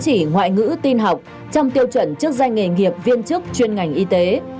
chỉ ngoại ngữ tin học trong tiêu chuẩn chức danh nghề nghiệp viên chức chuyên ngành y tế